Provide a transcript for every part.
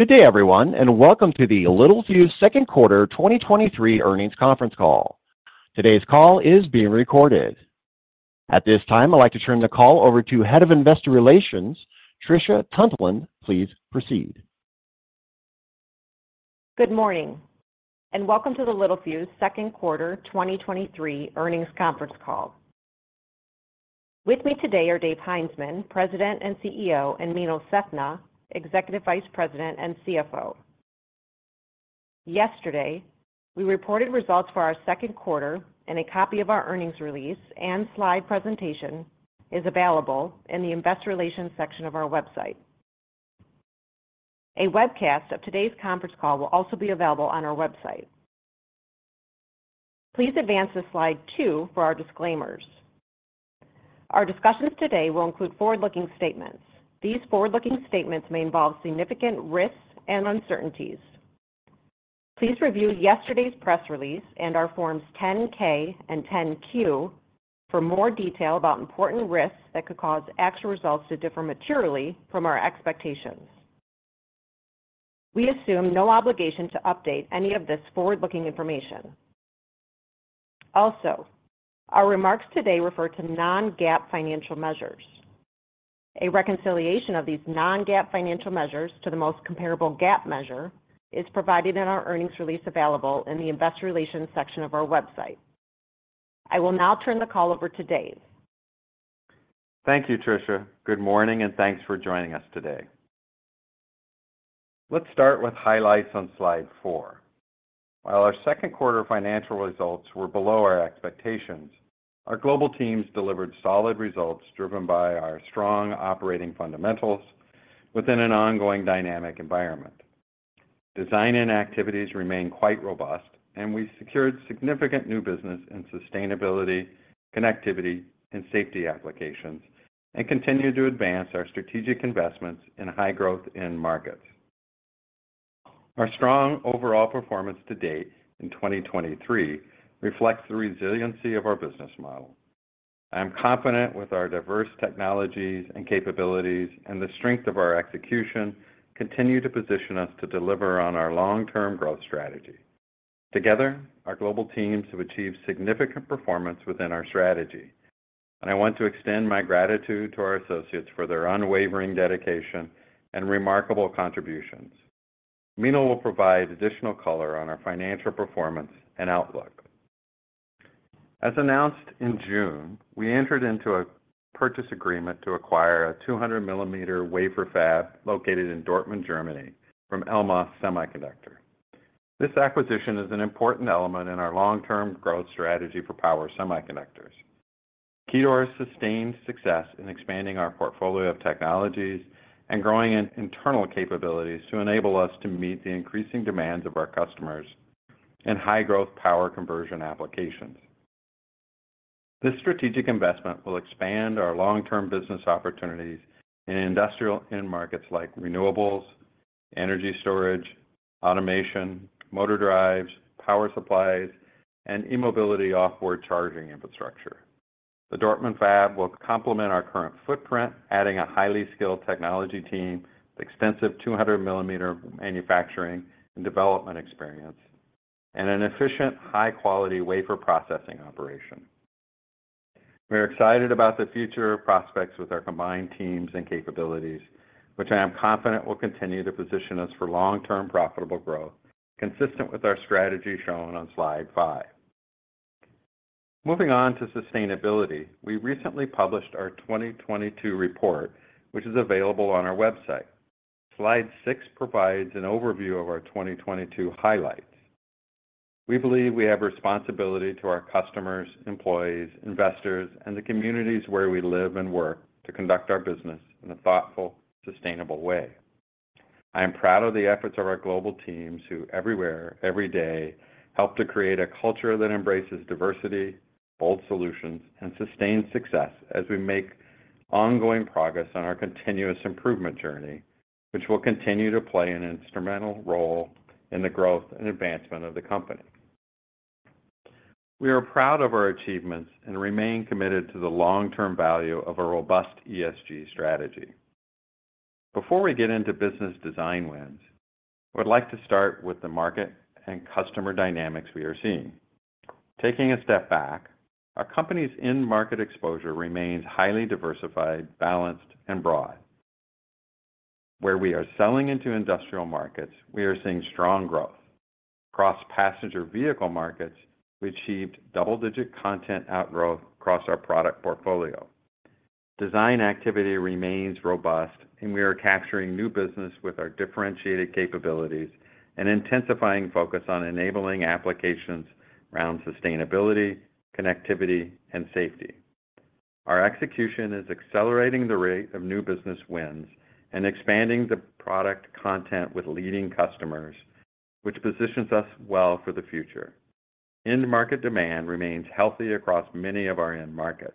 Good day, everyone. Welcome to The Littelfuse Second Quarter 2023 Earnings Conference Call. Today's call is being recorded. At this time, I'd like to turn the call over to Head of Investor Relations, Trisha Tuntland. Please proceed. Good morning. Welcome to The Littelfuse Second Quarter 2023 Earnings Conference Call. With me today are Dave Heinzmann, President and CEO, and Meenal Sethna, Executive Vice President and CFO. Yesterday, we reported results for our second quarter. A copy of our earnings release and slide presentation is available in the investor relations section of our website. A webcast of today's conference call will also be available on our website. Please advance to slide two for our disclaimers. Our discussions today will include forward-looking statements. These forward-looking statements may involve significant risks and uncertainties. Please review yesterday's press release and our Forms 10-K and 10-Q for more detail about important risks that could cause actual results to differ materially from our expectations. We assume no obligation to update any of this forward-looking information. Our remarks today refer to non-GAAP financial measures. A reconciliation of these non-GAAP financial measures to the most comparable GAAP measure is provided in our earnings release available in the investor relations section of our website. I will now turn the call over to Dave. Thank you, Trisha. Good morning, and thanks for joining us today. Let's start with highlights on slide four. While our second quarter financial results were below our expectations, our global teams delivered solid results, driven by our strong operating fundamentals within an ongoing dynamic environment. design-in activities remain quite robust, and we secured significant new business in sustainability, connectivity, and safety applications, and continued to advance our strategic investments in high-growth end markets. Our strong overall performance to date in 2023 reflects the resiliency of our business model. I'm confident with our diverse technologies and capabilities, and the strength of our execution continue to position us to deliver on our long-term growth strategy. Together, our global teams have achieved significant performance within our strategy, and I want to extend my gratitude to our associates for their unwavering dedication and remarkable contributions. Meenal will provide additional color on our financial performance and outlook. As announced in June, we entered into a purchase agreement to acquire a 200mm wafer fab located in Dortmund, Germany, from Elmos Semiconductor. This acquisition is an important element in our long-term growth strategy for power semiconductors, key to our sustained success in expanding our portfolio of technologies and growing in internal capabilities to enable us to meet the increasing demands of our customers in high-growth power conversion applications. This strategic investment will expand our long-term business opportunities in Industrial end markets like renewables, energy storage, automation, motor drives, power supplies, and e-mobility off-board charging infrastructure. The Dortmund fab will complement our current footprint, adding a highly skilled technology team, extensive 200mm manufacturing and development experience, and an efficient, high-quality wafer processing operation. We are excited about the future prospects with our combined teams and capabilities, which I am confident will continue to position us for long-term profitable growth, consistent with our strategy shown on slide five. Moving on to sustainability, we recently published our 2022 report, which is available on our website. Slide six provides an overview of our 2022 highlights. We believe we have a responsibility to our customers, employees, investors, and the communities where we live and work to conduct our business in a thoughtful, sustainable way. I am proud of the efforts of our global teams, who everywhere, every day, help to create a culture that embraces diversity, bold solutions, and sustained success as we make ongoing progress on our continuous improvement journey, which will continue to play an instrumental role in the growth and advancement of the company. We are proud of our achievements and remain committed to the long-term value of a robust ESG strategy. Before we get into business design wins, I would like to start with the market and customer dynamics we are seeing. Taking a step back, our company's end market exposure remains highly diversified, balanced, and broad. Where we are selling into Industrial markets, we are seeing strong growth. Across passenger vehicle markets, we achieved double-digit content outgrowth across our product portfolio. Design activity remains robust, and we are capturing new business with our differentiated capabilities and intensifying focus on enabling applications around sustainability, connectivity, and safety. Our execution is accelerating the rate of new business wins and expanding the product content with leading customers, which positions us well for the future. End market demand remains healthy across many of our end markets.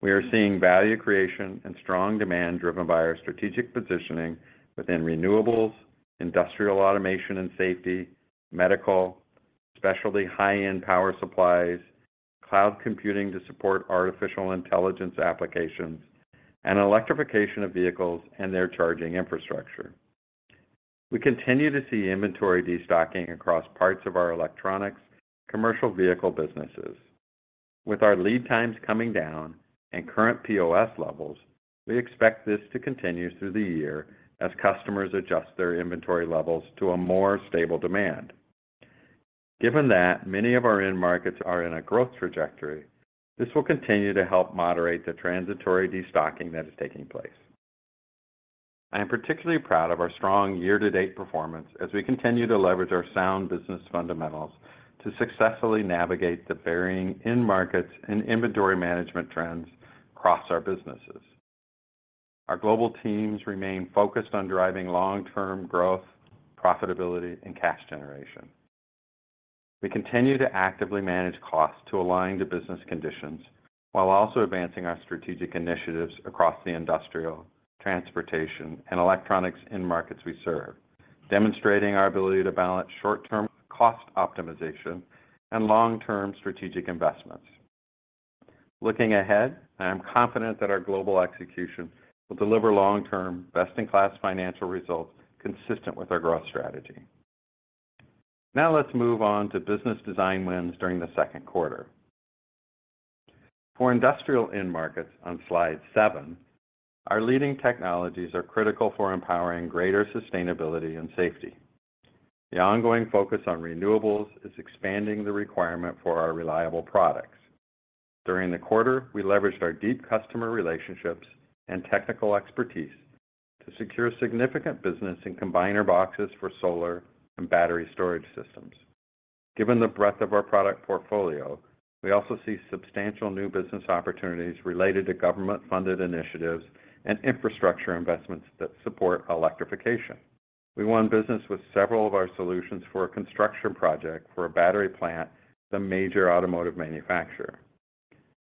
We are seeing value creation and strong demand driven by our strategic positioning within renewables, Industrial automation and safety, medical, specialty high-end power supplies, cloud computing to support artificial intelligence applications, and electrification of vehicles and their charging infrastructure. We continue to see inventory destocking across parts of our Electronics commercial vehicle businesses. With our lead times coming down and current POS levels, we expect this to continue through the year as customers adjust their inventory levels to a more stable demand. Given that many of our end markets are in a growth trajectory, this will continue to help moderate the transitory destocking that is taking place. I am particularly proud of our strong year-to-date performance as we continue to leverage our sound business fundamentals to successfully navigate the varying end markets and inventory management trends across our businesses. Our global teams remain focused on driving long-term growth, profitability, and cash generation. We continue to actively manage costs to align to business conditions, while also advancing our strategic initiatives across the Industrial, Transportation, and Electronics end markets we serve, demonstrating our ability to balance short-term cost optimization and long-term strategic investments. Looking ahead, I am confident that our global execution will deliver long-term, best-in-class financial results consistent with our growth strategy. Now let's move on to business design wins during the second quarter. For Industrial end markets on Slide seven, our leading technologies are critical for empowering greater sustainability and safety. The ongoing focus on renewables is expanding the requirement for our reliable products. During the quarter, we leveraged our deep customer relationships and technical expertise to secure significant business in combiner boxes for solar and battery storage systems. Given the breadth of our product portfolio, we also see substantial new business opportunities related to government-funded initiatives and infrastructure investments that support electrification. We won business with several of our solutions for a construction project for a battery plant, the major automotive manufacturer.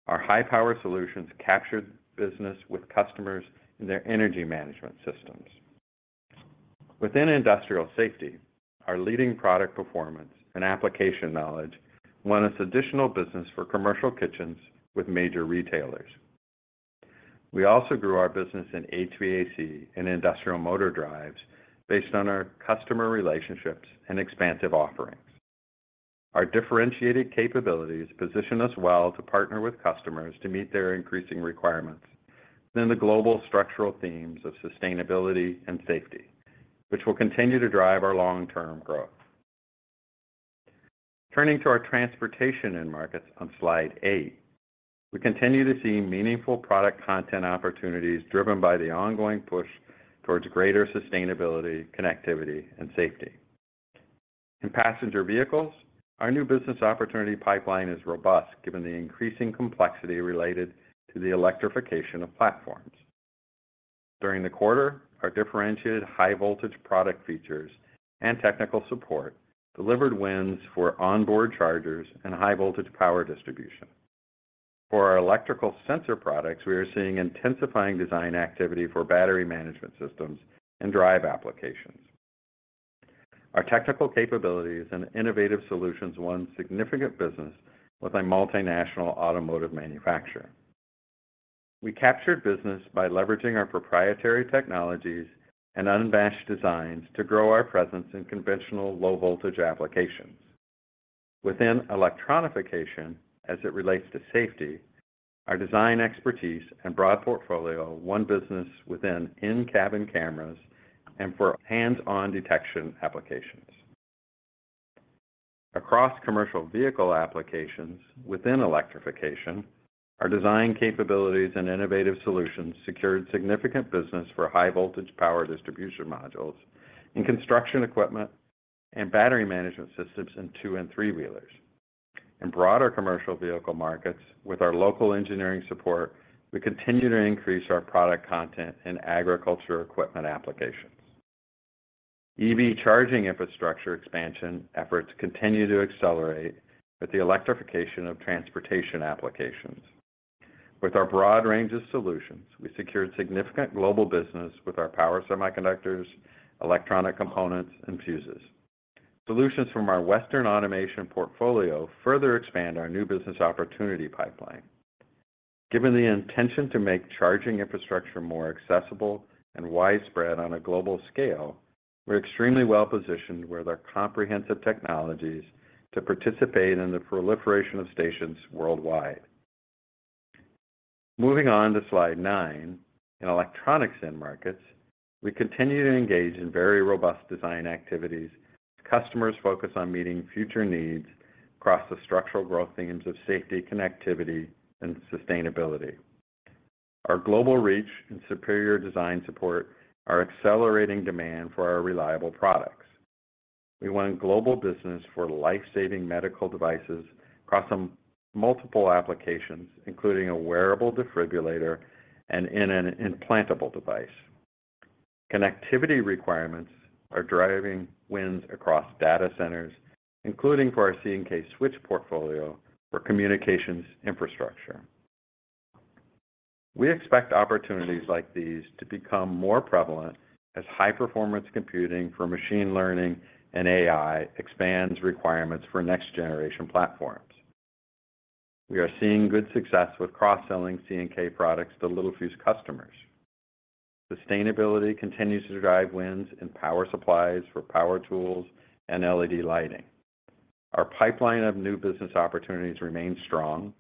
Our high-power solutions captured business with customers in their energy management systems. Within Industrial safety, our leading product performance and application knowledge won us additional business for commercial kitchens with major retailers. We also grew our business in HVAC and Industrial motor drives based on our customer relationships and expansive offerings. Our differentiated capabilities position us well to partner with customers to meet their increasing requirements within the global structural themes of sustainability and safety, which will continue to drive our long-term growth. Turning to our Transportation end markets on slide eight, we continue to see meaningful product content opportunities driven by the ongoing push towards greater sustainability, connectivity, and safety. In passenger vehicles, our new business opportunity pipeline is robust, given the increasing complexity related to the electrification of platforms. During the quarter, our differentiated high-voltage product features and technical support delivered wins for onboard chargers and high-voltage power distribution. For our electrical sensor products, we are seeing intensifying design activity for battery management systems and drive applications. Our technical capabilities and innovative solutions won significant business with a multinational automotive manufacturer. We captured business by leveraging our proprietary technologies and unmatched designs to grow our presence in conventional low-voltage applications. Within electronification, as it relates to safety, our design expertise and broad portfolio won business within in-cabin cameras and for Hands-On Detection applications. Across commercial vehicle applications within electrification, our design capabilities and innovative solutions secured significant business for high-voltage power distribution modules in construction equipment and battery management systems in two and three wheelers. In broader commercial vehicle markets, with our local engineering support, we continue to increase our product content in agriculture equipment applications. EV charging infrastructure expansion efforts continue to accelerate with the electrification of Transportation applications. With our broad range of solutions, we secured significant global business with our power semiconductors, electronic components, and fuses. Solutions from our Western Automation portfolio further expand our new business opportunity pipeline. Given the intention to make charging infrastructure more accessible and widespread on a global scale, we're extremely well-positioned with our comprehensive technologies to participate in the proliferation of stations worldwide. Moving on to slide nine, in Electronics end markets, we continue to engage in very robust design activities. Customers focus on meeting future needs across the structural growth themes of safety, connectivity, and sustainability. Our global reach and superior design support are accelerating demand for our reliable products. We won global business for life-saving medical devices across multiple applications, including a wearable defibrillator and in an implantable device. Connectivity requirements are driving wins across data centers, including for our C&K switch portfolio for communications infrastructure. We expect opportunities like these to become more prevalent as high-performance computing for machine learning and AI expands requirements for next-generation platforms. We are seeing good success with cross-selling C&K products to Littelfuse customers. Sustainability continues to drive wins in power supplies for power tools and LED lighting. Our pipeline of new business opportunities remains strong,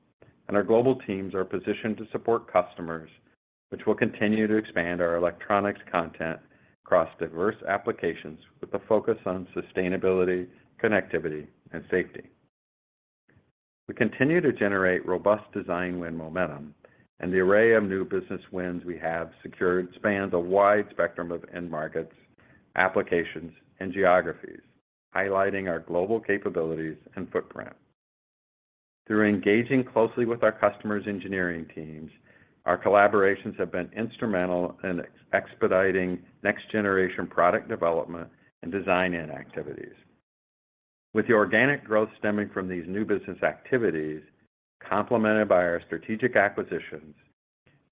and our global teams are positioned to support customers, which will continue to expand our Electronics content across diverse applications, with a focus on sustainability, connectivity, and safety. We continue to generate robust design win momentum, and the array of new business wins we have secured spans a wide spectrum of end markets, applications, and geographies, highlighting our global capabilities and footprint. Through engaging closely with our customers' engineering teams, our collaborations have been instrumental in expediting next-generation product development and design-in activities. With the organic growth stemming from these new business activities, complemented by our strategic acquisitions,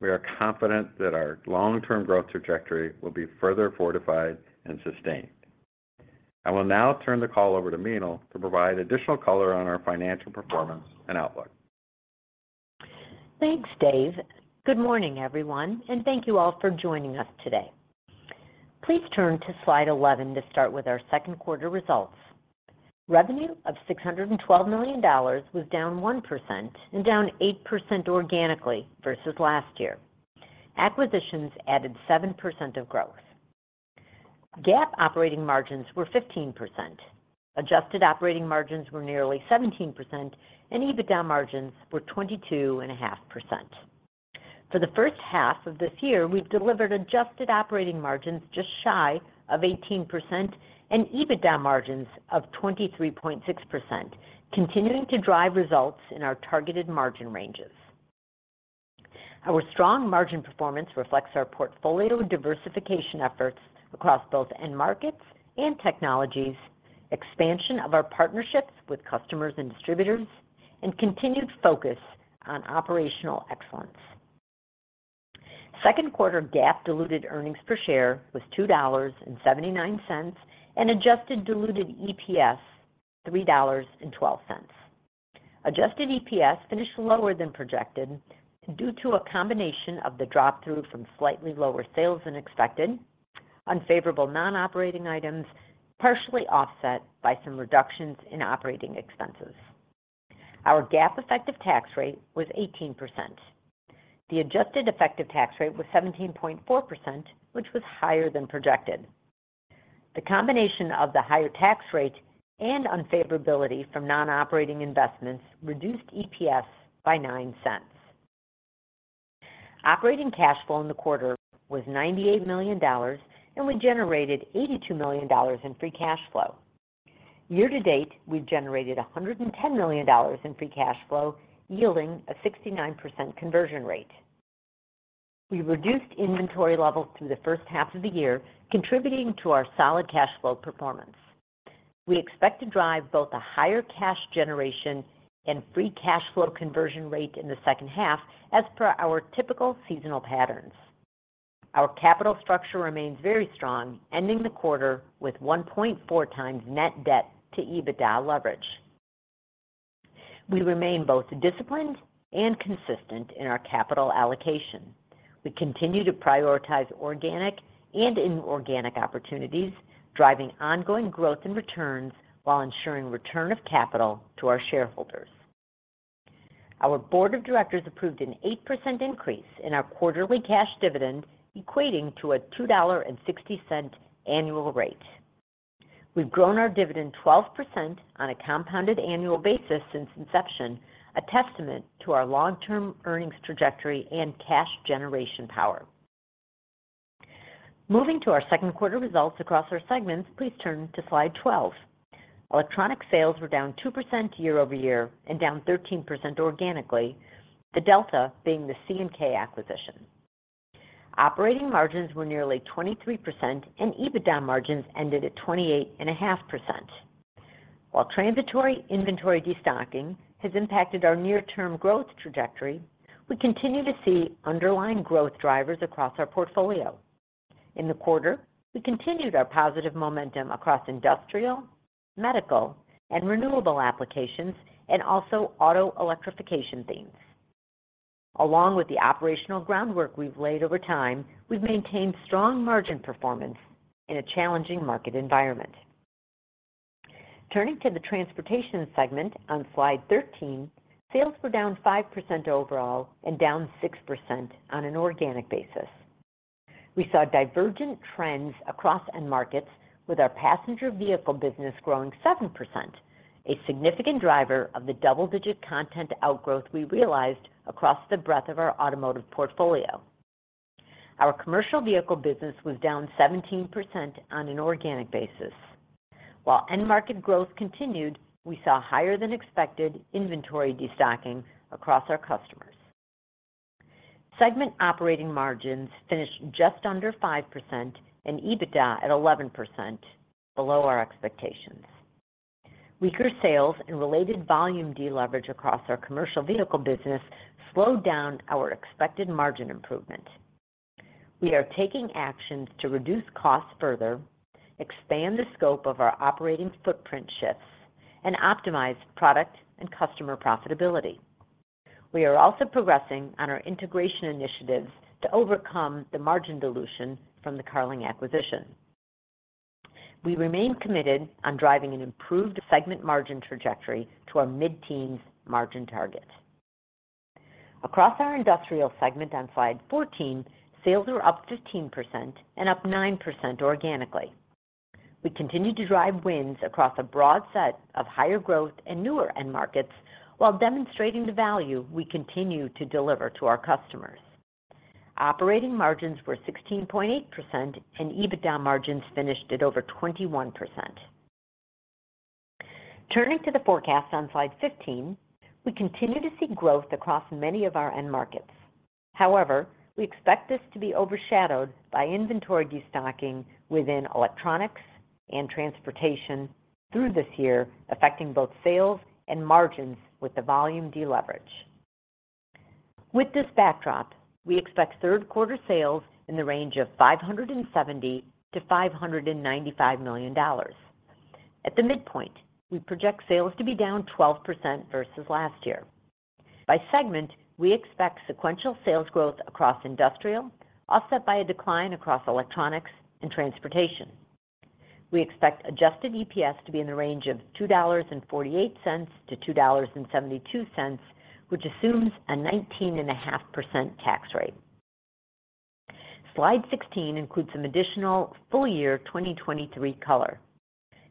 we are confident that our long-term growth trajectory will be further fortified and sustained. I will now turn the call over to Meenal to provide additional color on our financial performance and outlook. Thanks, Dave. Good morning, everyone, and thank you all for joining us today. Please turn to slide 11 to start with our second quarter results. Revenue of $612 million was down 1% and down 8% organically vs last year. Acquisitions added 7% of growth. GAAP operating margins were 15%, adjusted operating margins were nearly 17%, and EBITDA margins were 22.5%. For the first half of this year, we've delivered adjusted operating margins just shy of 18% and EBITDA margins of 23.6%, continuing to drive results in our targeted margin ranges. Our strong margin performance reflects our portfolio diversification efforts across both end markets and technologies, expansion of our partnerships with customers and distributors, and continued focus on operational excellence. Second quarter GAAP diluted earnings per share was $2.79. Adjusted diluted EPS, $3.12. Adjusted EPS finished lower than projected due to a combination of the drop-through from slightly lower sales than expected, unfavorable non-operating items, partially offset by some reductions in operating expenses. Our GAAP effective tax rate was 18%. The adjusted effective tax rate was 17.4%, which was higher than projected. The combination of the higher tax rate and unfavorability from non-operating investments reduced EPS by $0.09. Operating cash flow in the quarter was $98 million. We generated $82 million in free cash flow. Year to date, we've generated $110 million in free cash flow, yielding a 69% conversion rate. We reduced inventory levels through the first half of the year, contributing to our solid cash flow performance. We expect to drive both a higher cash generation and free cash flow conversion rate in the second half as per our typical seasonal patterns. Our capital structure remains very strong, ending the quarter with 1.4x net debt to EBITDA leverage. We remain both disciplined and consistent in our capital allocation. We continue to prioritize organic and inorganic opportunities, driving ongoing growth in returns while ensuring return of capital to our shareholders. Our board of directors approved an 8% increase in our quarterly cash dividend, equating to a $2.60 annual rate. We've grown our dividend 12% on a compounded annual basis since inception, a testament to our long-term earnings trajectory and cash generation power. Moving to our second quarter results across our segments, please turn to slide 12. Electronic sales were down 2% year-over-year and down 13% organically, the delta being the C&K acquisition. Operating margins were nearly 23%, and EBITDA margins ended at 28.5%. While transitory inventory destocking has impacted our near-term growth trajectory, we continue to see underlying growth drivers across our portfolio. In the quarter, we continued our positive momentum across industrial, medical, and renewable applications and also auto electrification themes. Along with the operational groundwork we've laid over time, we've maintained strong margin performance in a challenging market environment. Turning to the Transportation segment on slide 13, sales were down 5% overall and down 6% on an organic basis. We saw divergent trends across end markets, with our passenger vehicle business growing 7%, a significant driver of the double-digit content outgrowth we realized across the breadth of our automotive portfolio. Our commercial vehicle business was down 17% on an organic basis. While end-market growth continued, we saw higher-than-expected inventory destocking across our customers. Segment operating margins finished just under 5% and EBITDA at 11%, below our expectations. Weaker sales and related volume deleverage across our commercial vehicle business slowed down our expected margin improvement. We are taking actions to reduce costs further, expand the scope of our operating footprint shifts, and optimize product and customer profitability. We are also progressing on our integration initiatives to overcome the margin dilution from the Carling acquisition. We remain committed on driving an improved segment margin trajectory to our mid-teens margin target. Across our Industrial segment on slide 14, sales were up 15% and up 9% organically. We continued to drive wins across a broad set of higher growth and newer end markets while demonstrating the value we continue to deliver to our customers. Operating margins were 16.8%, and EBITDA margins finished at over 21%. Turning to the forecast on slide 15, we continue to see growth across many of our end markets. However, we expect this to be overshadowed by inventory destocking within Electronics and Transportation through this year, affecting both sales and margins with the volume deleverage. With this backdrop, we expect third quarter sales in the range of $570 million-$595 million. At the midpoint, we project sales to be down 12% vs last year. By segment, we expect sequential sales growth across Industrial, offset by a decline across Electronics and Transportation. We expect adjusted EPS to be in the range of $2.48-$2.72, which assumes a 19.5% tax rate. Slide 16 includes some additional full year 2023 color.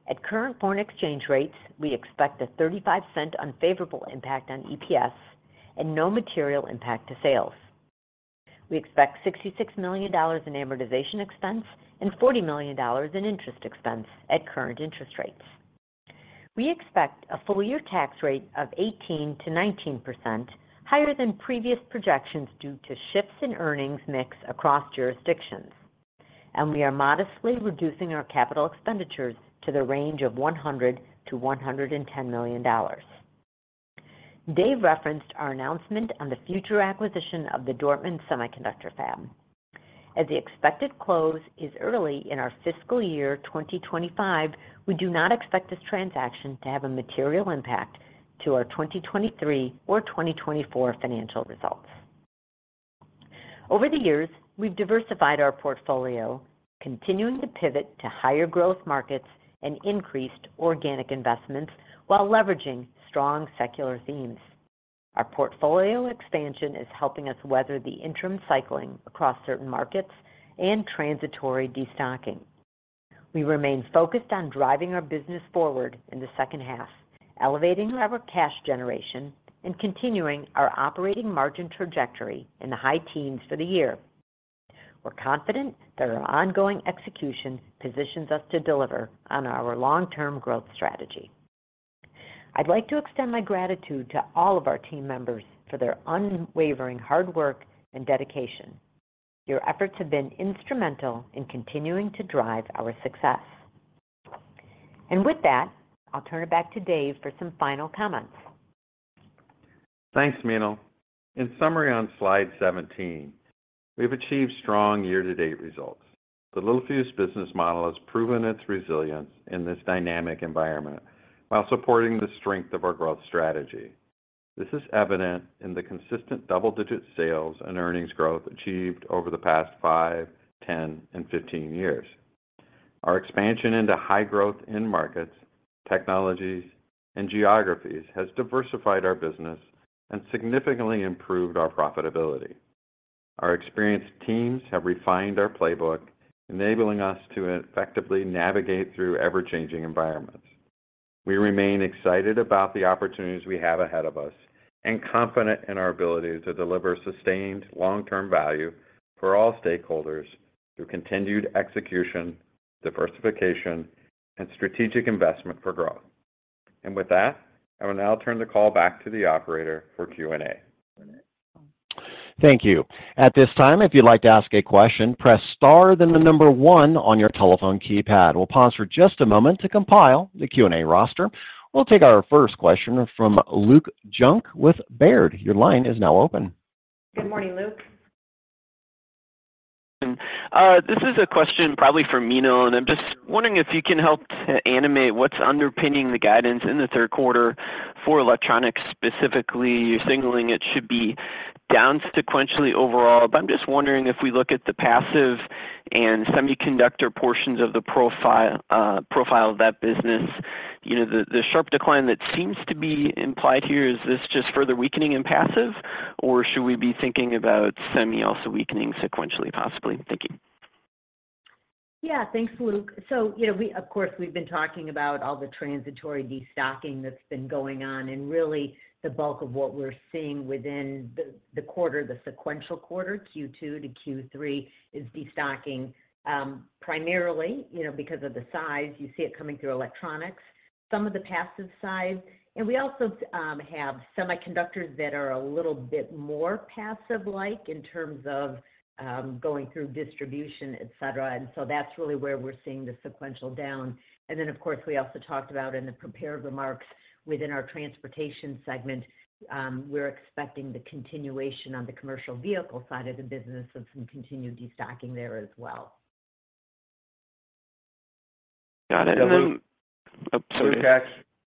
At current foreign exchange rates, we expect a $0.35 unfavorable impact on EPS and no material impact to sales. We expect $66 million in amortization expense and $40 million in interest expense at current interest rates. We expect a full year tax rate of 18%-19%, higher than previous projections, due to shifts in earnings mix across jurisdictions, and we are modestly reducing our capital expenditures to the range of $100 million-$110 million. Dave referenced our announcement on the future acquisition of the Dortmund Semiconductor fab. As the expected close is early in our fiscal year 2025, we do not expect this transaction to have a material impact to our 2023 or 2024 financial results. Over the years, we've diversified our portfolio, continuing to pivot to higher growth markets and increased organic investments while leveraging strong secular themes. Our portfolio expansion is helping us weather the interim cycling across certain markets and transitory destocking. We remain focused on driving our business forward in the second half, elevating our cash generation and continuing our operating margin trajectory in the high teens for the year. We're confident that our ongoing execution positions us to deliver on our long-term growth strategy. I'd like to extend my gratitude to all of our team members for their unwavering hard work and dedication. Your efforts have been instrumental in continuing to drive our success. With that, I'll turn it back to Dave for some final comments. Thanks, Meenal. In summary on slide 17, we've achieved strong year-to-date results. The Littelfuse business model has proven its resilience in this dynamic environment while supporting the strength of our growth strategy. This is evident in the consistent double-digit sales and earnings growth achieved over the past five, 10, and 15 years. Our expansion into high growth end markets, technologies, and geographies has diversified our business and significantly improved our profitability. Our experienced teams have refined our playbook, enabling us to effectively navigate through ever-changing environments. We remain excited about the opportunities we have ahead of us and confident in our ability to deliver sustained long-term value for all stakeholders through continued execution, diversification, and strategic investment for growth. With that, I will now turn the call back to the operator for Q&A. Thank you. At this time, if you'd like to ask a question, press star, then the number one on your telephone keypad. We'll pause for just a moment to compile the Q&A roster. We'll take our first question from Luke Junk with Baird. Your line is now open. Good morning, Luke. This is a question probably for Meenal, and I'm just wondering if you can help to animate what's underpinning the guidance in the third quarter for Electronics. Specifically, you're signaling it should be down sequentially overall, but I'm just wondering if we look at the passive and semiconductor portions of the profile, profile of that business, you know, the, the sharp decline that seems to be implied here, is this just further weakening in passive, or should we be thinking about semi also weakening sequentially, possibly? Thank you. Yeah. Thanks, Luke. You know, of course, we've been talking about all the transitory destocking that's been going on, and really the bulk of what we're seeing within the, the quarter, the sequential quarter, Q2 to Q3, is destocking, primarily, you know, because of the size, you see it coming through Electronics, some of the passive side. We also, have semiconductors that are a little bit more passive-like in terms of, going through distribution, et cetera, and so that's really where we're seeing the sequential down. Then, of course, we also talked about in the prepared remarks within our Transportation segment, we're expecting the continuation on the commercial vehicle side of the business and some continued destocking there as well. Got it. Then, oh, sorry. Luke,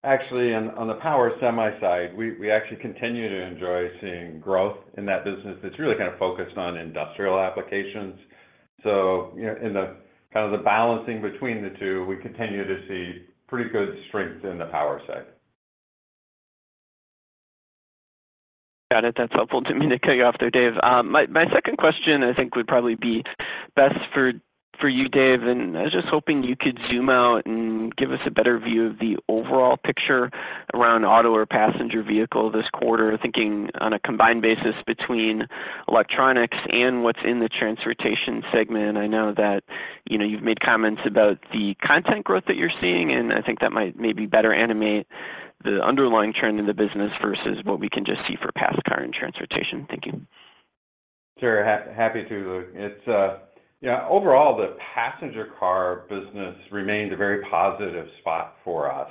actually on the power semi side, we actually continue to enjoy seeing growth in that business. It's really kind of focused on Industrial applications. You know, in the kind of the balancing between the two, we continue to see pretty good strength in the power side. Got it. That's helpful to me, to cut you off there, Dave. My, my second question, I think would probably be best for, for you, Dave, and I was just hoping you could zoom out and give us a better view of the overall picture around auto or passenger vehicle this quarter, thinking on a combined basis between Electronics and what's in the Transportation segment. I know that, you know, you've made comments about the content growth that you're seeing, and I think that might maybe better animate the underlying trend in the business vs what we can just see for pass car and Transportation. Thank you. Sure. Happy to, Luke. Overall, the passenger car business remained a very positive spot for us.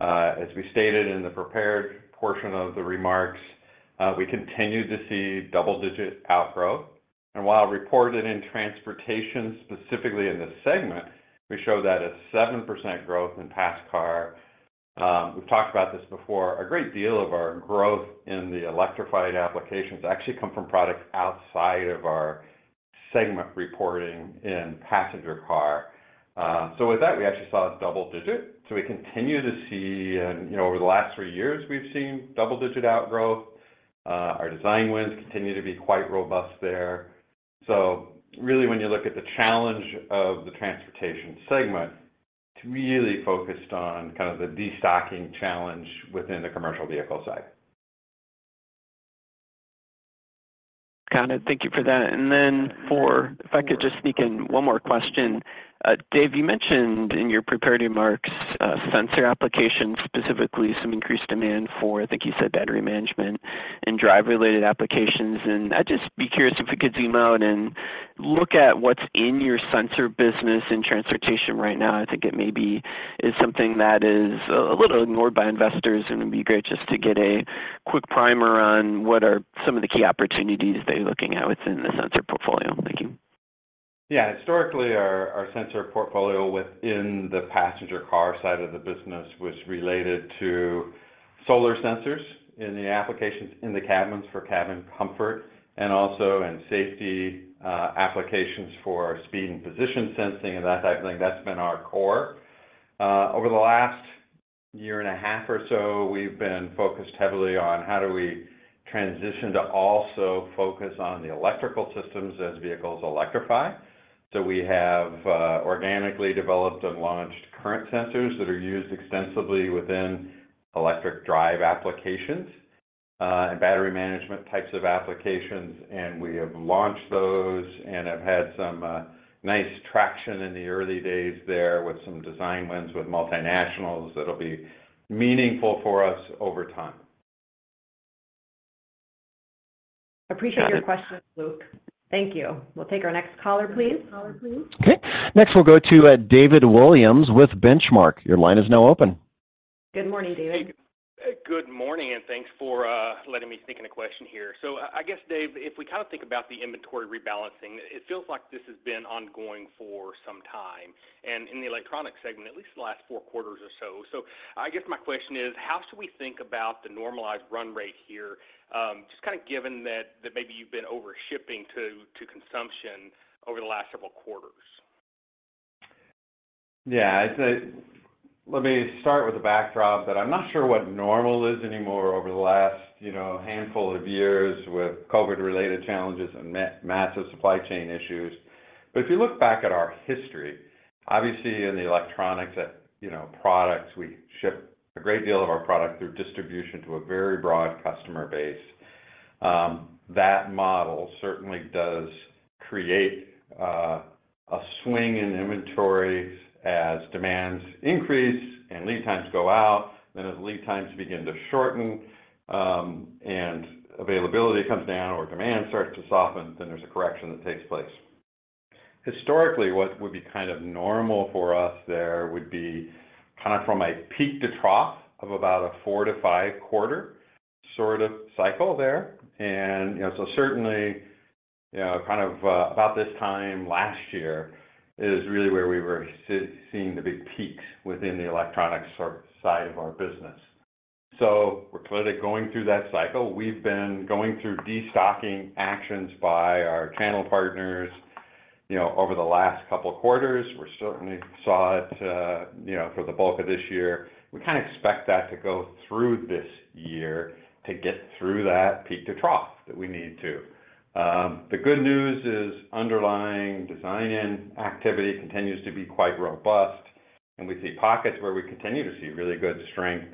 As we stated in the prepared portion of the remarks, we continued to see double-digit outgrowth. While reported in Transportation, specifically in this segment, we show that a 7% growth in pass car. We've talked about this before. A great deal of our growth in the electrified applications actually come from products outside of our segment reporting in passenger car. With that, we actually saw a double-digit. We continue to see, and, you know, over the last three years, we've seen double-digit outgrowth. Our design wins continue to be quite robust there. Really, when you look at the challenge of the Transportation segment, it's really focused on kind of the destocking challenge within the commercial vehicle side. Got it. Thank you for that. Then if I could just sneak in one more question. Dave, you mentioned in your prepared remarks, sensor applications, specifically some increased demand for, I think you said battery management and drive-related applications. I'd just be curious if we could zoom out and look at what's in your sensor business in Transportation right now. I think it may be something that is a little ignored by investors, and it'd be great just to get a quick primer on what are some of the key opportunities that you're looking at within the sensor portfolio. Thank you. Yeah. Historically, our, our sensor portfolio within the passenger car side of the business was related to solar sensors in the applications, in the cabins for cabin comfort and also in safety applications for speed and position sensing and that type of thing. That's been our core. Over the last a year and a half or so, we've been focused heavily on how do we transition to also focus on the electrical systems as vehicles electrify. We have organically developed and launched current sensors that are used extensively within electric drive applications and battery management types of applications, and we have launched those and have had some nice traction in the early days there with some design wins with multinationals that'll be meaningful for us over time. Appreciate your questions, Luke. Thank you. We'll take our next caller, please. Okay, next, we'll go to David Williams with Benchmark. Your line is now open. Good morning, David. Good morning, and thanks for letting me sneak in a question here. I guess, Dave, if we kind of think about the inventory rebalancing, it feels like this has been ongoing for some time, and in the electronic segment, at least the last four quarters or so. I guess my question is, how should we think about the normalized run rate here? Just kind of given that maybe you've been over shipping to consumption over the last several quarters. Yeah, it's a, let me start with the backdrop, that I'm not sure what normal is anymore over the last, you know, handful of years with COVID-related challenges and massive supply chain issues. If you look back at our history, obviously in the Electronics that, you know, products, we ship a great deal of our product through distribution to a very broad customer base. That model certainly does create a swing in inventories as demands increase and lead times go out. As lead times begin to shorten, and availability comes down or demand starts to soften, then there's a correction that takes place. Historically, what would be kind of normal for us there would be kind of from a peak to trough of about a four to five quarter sort of cycle there. You know, certainly, you know, kind of, about this time last year is really where we were seeing the big peaks within the electronic sort of side of our business. We're clearly going through that cycle. We've been going through destocking actions by our channel partners, you know, over the last two quarters. We certainly saw it, you know, for the bulk of this year. We kind of expect that to go through this year to get through that peak to trough that we need to. The good news is underlying design activity continues to be quite robust, and we see pockets where we continue to see really good strength.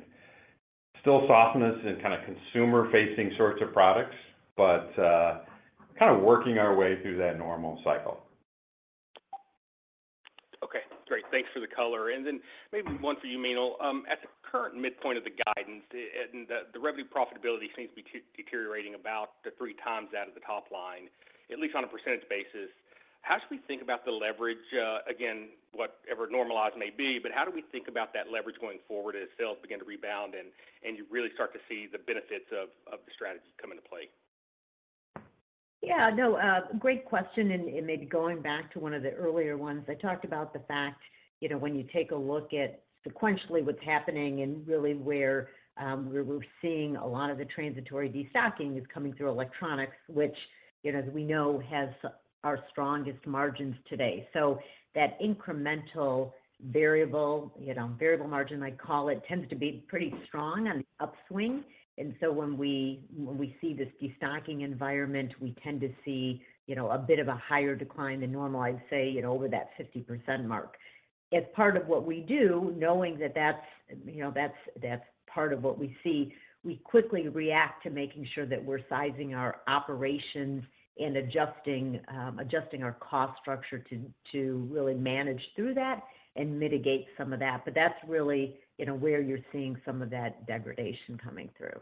Still softness in kind of consumer-facing sorts of products, kind of working our way through that normal cycle. Okay, great. Thanks for the color. Then maybe one for you, Meenal. At the current midpoint of the guidance, revenue profitability seems to be deteriorating about 3x out of the top line, at least on a percentage basis. How should we think about the leverage, again, whatever normalized may be, but how do we think about that leverage going forward as sales begin to rebound, and you really start to see the benefits of the strategy come into play? Yeah, no, great question, and, and maybe going back to one of the earlier ones. I talked about the fact, you know, when you take a look at sequentially what's happening and really where, where we're seeing a lot of the transitory destocking is coming through Electronics, which, you know, as we know, has our strongest margins today. That incremental variable, you know, variable margin, I'd call it, tends to be pretty strong on the upswing. When we, when we see this destocking environment, we tend to see, you know, a bit of a higher decline than normal, I'd say, you know, over that 50% mark. As part of what we do, knowing that that's, you know, that's, that's part of what we see, we quickly react to making sure that we're sizing our operations and adjusting, adjusting our cost structure to, to really manage through that and mitigate some of that. That's really, you know, where you're seeing some of that degradation coming through.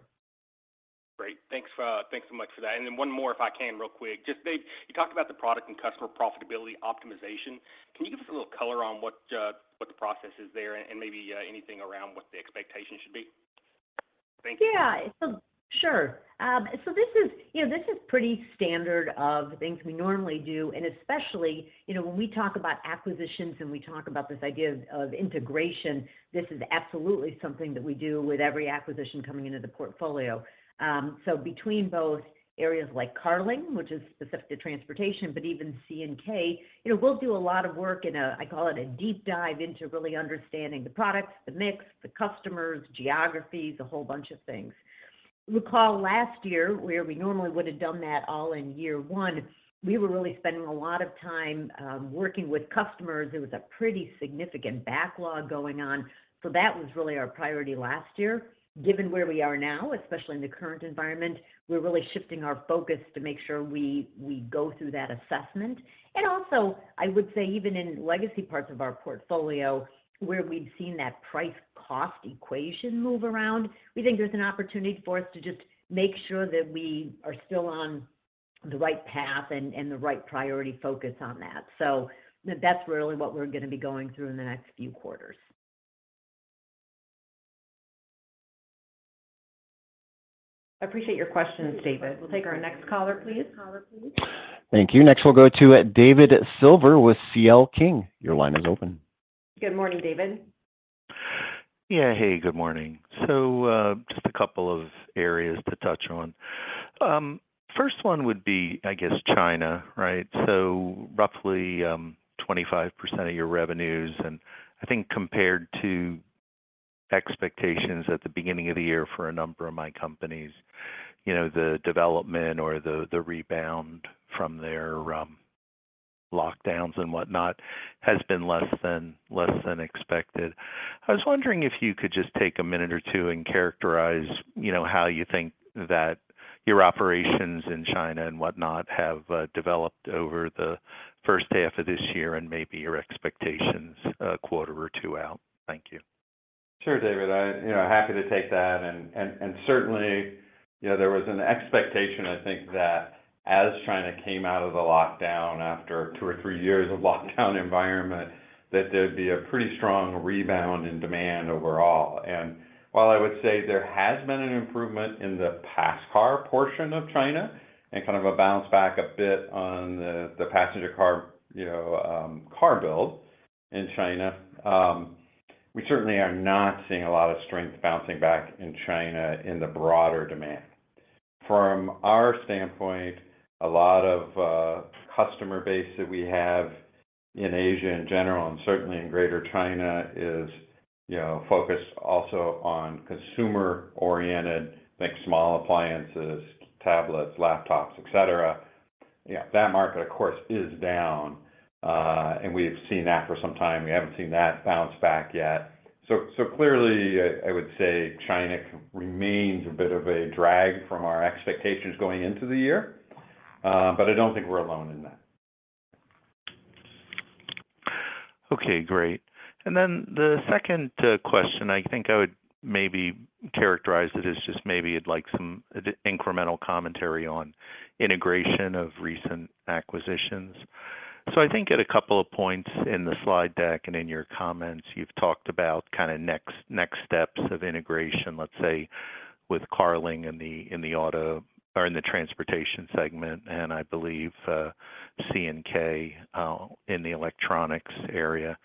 Great. Thanks, thanks so much for that. Then one more, if I can, real quick. Just maybe you talked about the product and customer profitability optimization. Can you give us a little color on what, what the process is there and, and maybe, anything around what the expectation should be? Thank you. Yeah, sure. This is, you know, this is pretty standard of things we normally do, and especially, you know, when we talk about acquisitions, and we talk about this idea of, of integration, this is absolutely something that we do with every acquisition coming into the portfolio. Between both areas like Carling, which is specific to Transportation, but even C&K, you know, we'll do a lot of work in a, I call it a deep dive into really understanding the products, the mix, the customers, geographies, a whole bunch of things. Recall last year, where we normally would have done that all in year one, we were really spending a lot of time working with customers. There was a pretty significant backlog going on, so that was really our priority last year. Given where we are now, especially in the current environment, we're really shifting our focus to make sure we go through that assessment. Also, I would say even in legacy parts of our portfolio, where we've seen that price-cost equation move around, we think there's an opportunity for us to just make sure that we are still on the right path and the right priority focus on that. That's really what we're gonna be going through in the next few quarters. I appreciate your questions, David. We'll take our next caller, please. Thank you. Next, we'll go to David Silver with C.L. King. Your line is open. Good morning, David. Yeah. Hey, good morning. Just a couple of areas to touch on. First one would be, I guess, China, right? Roughly 25% of your revenues, and I think compared to expectations at the beginning of the year for a number of my companies, you know, the development or the, the rebound from their lockdowns and whatnot, has been less than, less than expected. I was wondering if you could just take a minute or two and characterize, you know, how you think that your operations in China and whatnot, have developed over the first half of this year, and maybe your expectations a quarter or two out. Thank you. Sure, David. I, you know, happy to take that. And certainly, you know, there was an expectation, I think that as China came out of the lockdown after two or three years of lockdown environment, that there'd be a pretty strong rebound in demand overall. While I would say there has been an improvement in the past car portion of China and kind of a bounce back a bit on the passenger car, you know, car build in China, we certainly are not seeing a lot of strength bouncing back in China in the broader demand. From our standpoint, a lot of customer base that we have in Asia in general, and certainly in greater China, is, you know, focused also on consumer-oriented, think small appliances, tablets, laptops, et cetera. Yeah, that market, of course, is down, and we have seen that for some time. We haven't seen that bounce back yet. So clearly, I would say China remains a bit of a drag from our expectations going into the year, but I don't think we're alone in that. Okay, great. The second question, I think I would maybe characterize it as just maybe I'd like some incremental commentary on integration of recent acquisitions. At a couple of points in the slide deck and in your comments, you've talked about kinda next, next steps of integration, let's say, with Carling in the, in the auto or in the Transportation segment, and I believe, C&K, in the Electronics area.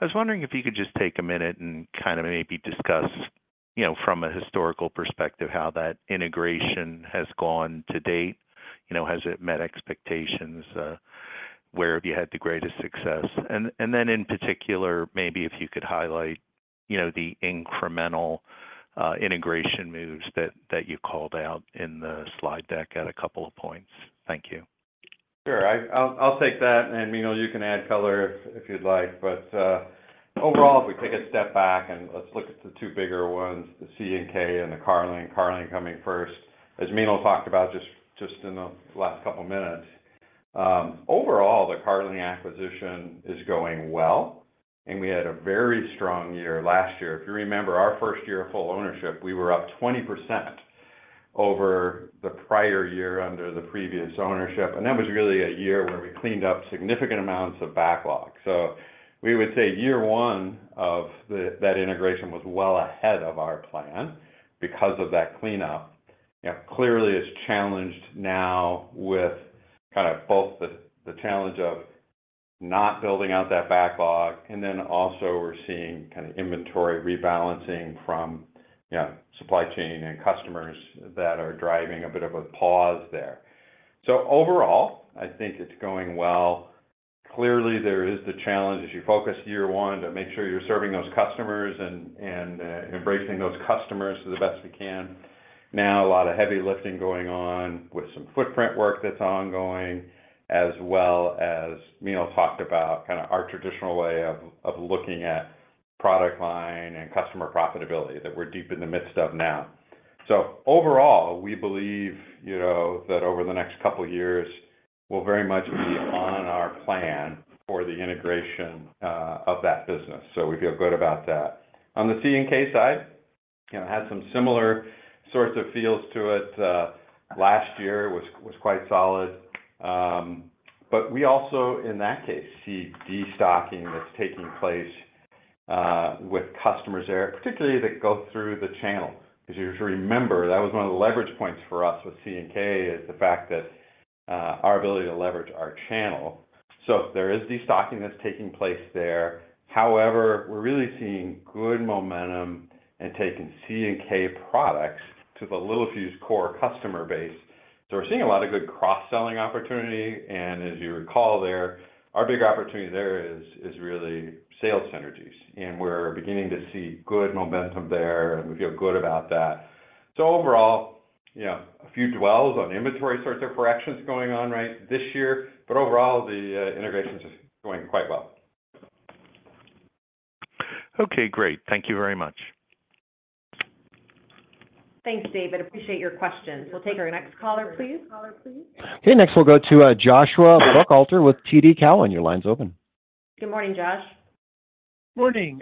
I was wondering if you could just take a minute and kind of maybe discuss, you know, from a historical perspective, how that integration has gone to date. You know, has it met expectations? Where have you had the greatest success? In particular, maybe if you could highlight, you know, the incremental integration moves that, that you called out in the slide deck at a couple of points. Thank you. Sure. I'll, I'll take that, and Meenal, you can add color if, if you'd like. Overall, if we take a step back and let's look at the two bigger ones, the C&K and the Carling. Carling coming first. As Meenal talked about just, just in the last couple of minutes, overall, the Carling acquisition is going well, and we had a very strong year last year. If you remember our first year of full ownership, we were up 20% over the prior year under the previous ownership, and that was really a year where we cleaned up significant amounts of backlog. We would say year one of that integration was well ahead of our plan because of that cleanup. Clearly, it's challenged now with kind of both not building out that backlog. Then also we're seeing kind of inventory rebalancing from, yeah, supply chain and customers that are driving a bit of a pause there. Overall, I think it's going well. Clearly, there is the challenge as you focus year one, to make sure you're serving those customers and, and embracing those customers the best we can. Now, a lot of heavy lifting going on with some footprint work that's ongoing, as well as Meenal talked about, kind of our traditional way of, of looking at product line and customer profitability that we're deep in the midst of now. Overall, we believe, you know, that over the next couple of years, we'll very much be on our plan for the integration of that business. We feel good about that. On the C&K side, you know, it had some similar sorts of feels to it. Last year was, was quite solid. We also, in that case, see destocking that's taking place with customers there, particularly that go through the channel. Because you should remember, that was one of the leverage points for us with C&K, is the fact that our ability to leverage our channel. There is destocking that's taking place there. However, we're really seeing good momentum and taking C&K products to the Littelfuse core customer base. We're seeing a lot of good cross-selling opportunity, and as you recall, there, our big opportunity there is, is really sales synergies, and we're beginning to see good momentum there, and we feel good about that. Overall, yeah, a few dwells on inventory sorts of corrections going on right this year, but overall, the integration's going quite well. Okay, great. Thank you very much. Thanks, David. Appreciate your questions. We'll take our next caller, please. Okay, next, we'll go to Joshua Buchalter with TD Cowen. Your line's open. Good morning, Josh. Morning.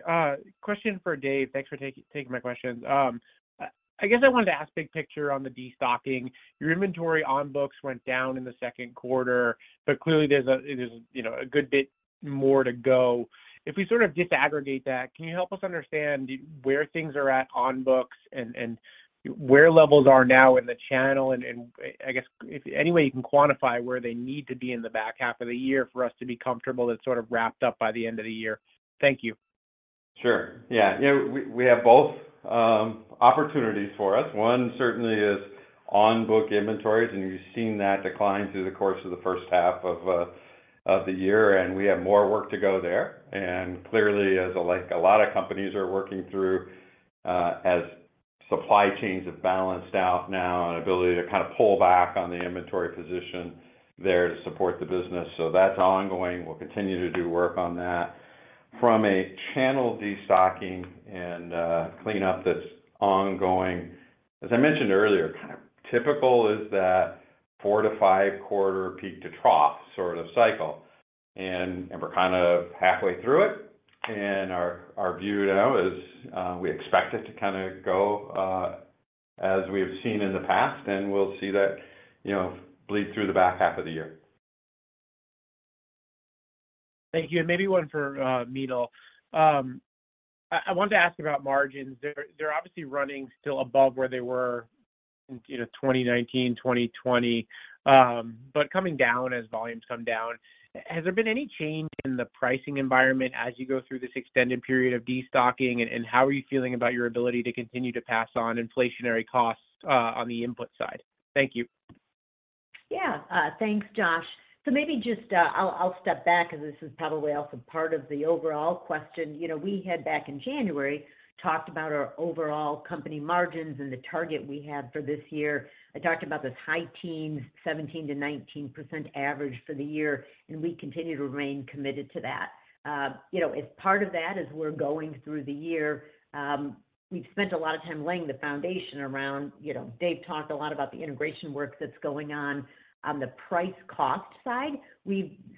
Question for Dave. Thanks for taking, taking my questions. I wanted to ask big picture on the destocking. Your inventory on books went down in the second quarter. Clearly there's, you know, a good bit more to go. If we sort of disaggregate that, can you help us understand where things are at on books and where levels are now in the channel? If any way you can quantify where they need to be in the back half of the year for us to be comfortable it's sort of wrapped up by the end of the year. Thank you. Sure. Yeah. You know, we, we have both opportunities for us. One certainly is on-book inventories, and you've seen that decline through the course of the first half of the year, and we have more work to go there. Clearly, as a, like a lot of companies are working through, as supply chains have balanced out now and ability to kind of pull back on the inventory position there to support the business. That's ongoing. We'll continue to do work on that. From a channel destocking and cleanup that's ongoing, as I mentioned earlier, kind of typical is that four to five quarter peak-to-trough sort of cycle, and we're kind of halfway through it. Our, our view now is, we expect it to kind of go, as we have seen in the past, and we'll see that, you know, bleed through the back half of the year. Thank you, and maybe one for Meenal. I, I wanted to ask about margins. They're, they're obviously running still above where they were in, you know, 2019, 2020, but coming down as volumes come down. Has there been any change in the pricing environment as you go through this extended period of destocking, and, and how are you feeling about your ability to continue to pass on inflationary costs, on the input side? Thank you. Yeah. Thanks, Josh. Maybe just, I'll, I'll step back because this is probably also part of the overall question. You know, we had back in January, talked about our overall company margins and the target we had for this year. I talked about this high teens, 17%-19% average for the year, and we continue to remain committed to that. You know, as part of that, as we're going through the year, we've spent a lot of time laying the foundation around... You know, Dave talked a lot about the integration work that's going on. On the price-cost side,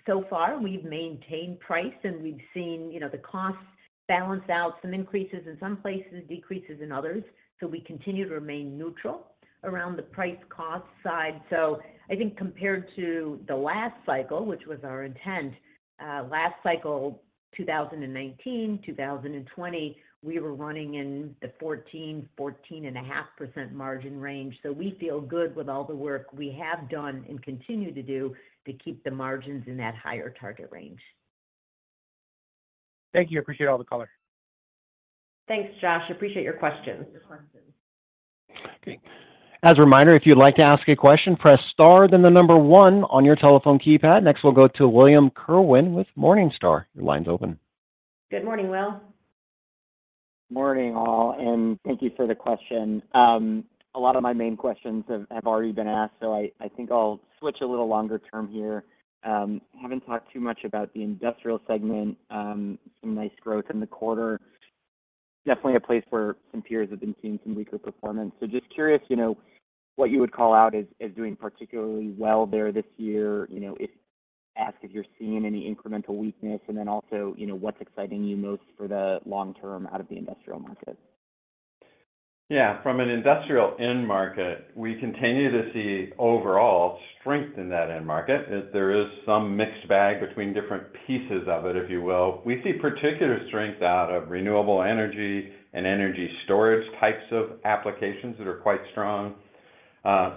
so far, we've maintained price, and we've seen, you know, the costs balance out, some increases in some places, decreases in others. We continue to remain neutral around the price cost side. I think compared to the last cycle, which was our intent, last cycle, 2019, 2020, we were running in the 14%, 14.5% margin range. We feel good with all the work we have done and continue to do to keep the margins in that higher target range. Thank you. I appreciate all the color. Thanks, Josh. Appreciate your questions. As a reminder, if you'd like to ask a question, press star, then one on your telephone keypad. We'll go to William Kerwin with Morningstar. Your line's open. Good morning, Will. Morning, all, and thank you for the question. A lot of my main questions have, have already been asked, so I, I think I'll switch a little longer term here. Haven't talked too much about the Industrial segment. Some nice growth in the quarter. Definitely a place where some peers have been seeing some weaker performance. Just curious, you know, what you would call out as, as doing particularly well there this year. You know, ask if you're seeing any incremental weakness, and then also, you know, what's exciting you most for the long term out of the Industrial market? Yeah. From an Industrial end market, we continue to see overall strength in that end market. There is some mixed bag between different pieces of it, if you will. We see particular strength out of renewable energy and energy storage types of applications that are quite strong.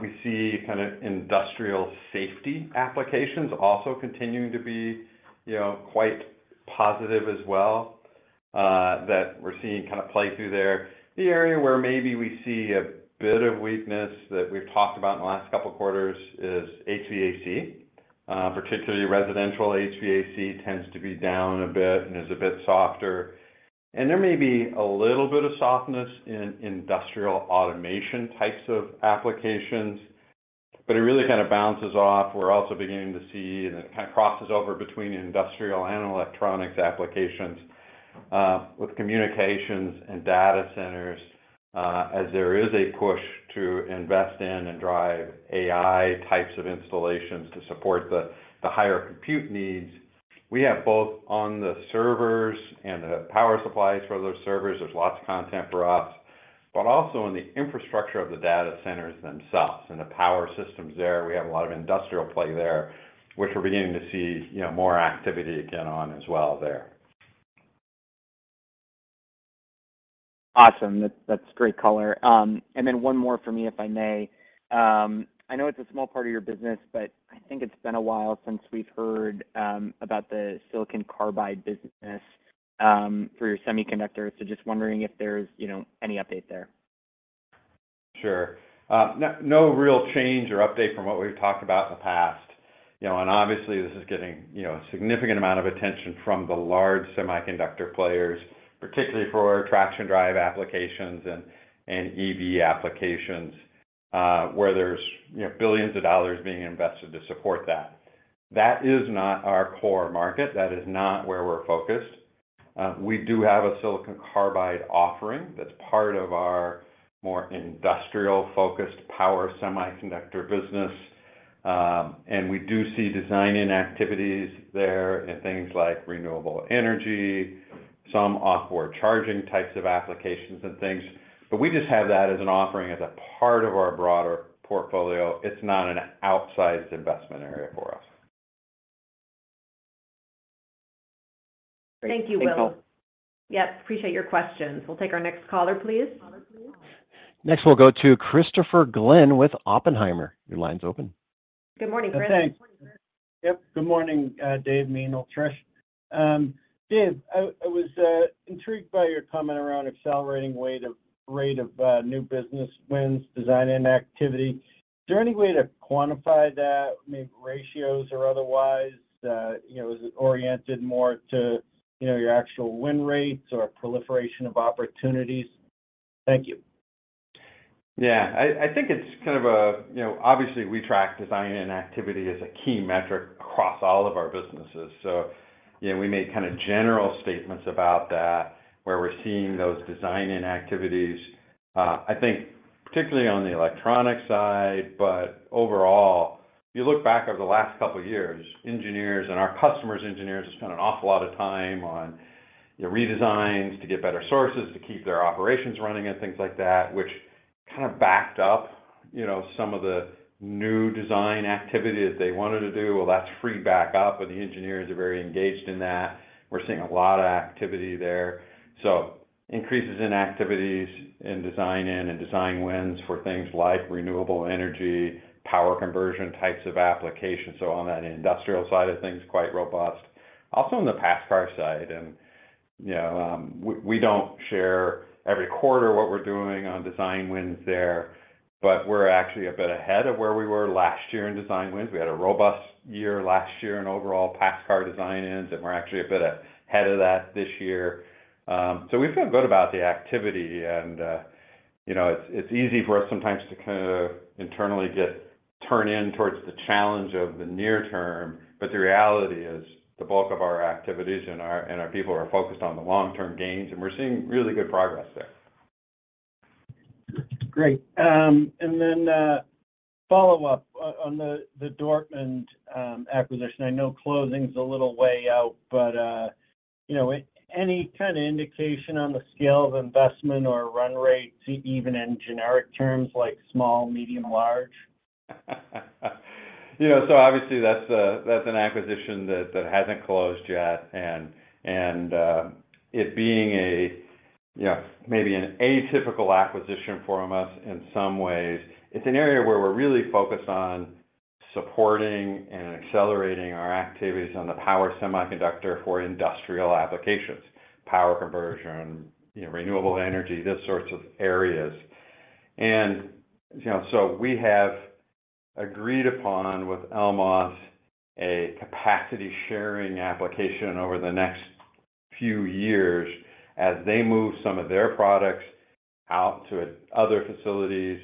We see kind of Industrial safety applications also continuing to be, you know, quite positive as well, that we're seeing kind of play through there. The area where maybe we see a bit of weakness that we've talked about in the last two quarters is HVAC. Particularly residential HVAC tends to be down a bit and is a bit softer, and there may be a little bit of softness in Industrial automation types of applications, but it really kind of bounces off. We're also beginning to see, and it kind of crosses over between Industrial and Electronics applications, with communications and data centers, as there is a push to invest in and drive AI types of installations to support the, the higher compute needs. We have both on the servers and the power supplies for those servers, there's lots of content for us, but also in the infrastructure of the data centers themselves and the power systems there. We have a lot of Industrial play there, which we're beginning to see, you know, more activity again on as well there. Awesome. That's, that's great color. Then one more for me, if I may. I know it's a small part of your business, but I think it's been a while since we've heard about the silicon carbide business for your semiconductors. Just wondering if there's, you know, any update there? Sure. No real change or update from what we've talked about in the past. You know, obviously, this is getting, you know, a significant amount of attention from the large semiconductor players, particularly for traction drive applications and EV applications, where there's, you know, billions of dollars being invested to support that. That is not our core market. That is not where we're focused. We do have a silicon carbide offering that's part of our more industrial-focused power semiconductor business. We do see design-in activities there in things like renewable energy, some off-board charging types of applications and things, but we just have that as an offering, as a part of our broader portfolio. It's not an outsized investment area for us. Great. Thanks, Will. Thank you, Will. Yep, appreciate your questions. We'll take our next caller, please. Next, we'll go to Christopher Glynn with Oppenheimer. Your line's open. Good morning, Chris. Thanks. Yep, good morning, Dave, Meenal, and Trish. Dave, I, I was intrigued by your comment around accelerating rate of, rate of, new business wins, design activity. Is there any way to quantify that, maybe ratios or otherwise? You know, is it oriented more to, you know, your actual win rates or proliferation of opportunities? Thank you. Yeah, I, I think it's kind of a, you know, obviously, we track design-in activity as a key metric across all of our businesses. You know, we make kind of general statements about that, where we're seeing those design-in activities. I think particularly on the electronic side, but overall, if you look back over the last couple of years, engineers and our customers' engineers have spent an awful lot of time on, you know, redesigns to get better sources, to keep their operations running and things like that, which kind of backed up, you know, some of the new design activity that they wanted to do. Well, that's free back up, and the engineers are very engaged in that. We're seeing a lot of activity there. Increases in activities in design-in and design wins for things like renewable energy, power conversion types of applications. On that Industrial side of things, quite robust. Also, on the pass car side, and, you know, we, we don't share every quarter what we're doing on design wins there, but we're actually a bit ahead of where we were last year in design wins. We had a robust year last year in overall pass car design-ins, and we're actually a bit ahead of that this year. We feel good about the activity, and, you know, it's, it's easy for us sometimes to kind of internally get turn in towards the challenge of the near term, but the reality is, the bulk of our activities and our, and our people are focused on the long-term gains, and we're seeing really good progress there. Great. Then, follow-up on the Dortmund acquisition. I know closing is a little way out, but, you know, any kind of indication on the scale of investment or run rate, even in generic terms, like small, medium, large? You know, obviously, that's an acquisition that hasn't closed yet. It being, you know, maybe an atypical acquisition for us in some ways, it's an area where we're really focused on supporting and accelerating our activities on the Power Semiconductor for Industrial applications, power conversion, you know, renewable energy, those sorts of areas. You know, we have agreed upon with Elmos, a capacity sharing application over the next few years. As they move some of their products out to other facilities,